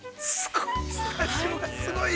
◆すごい。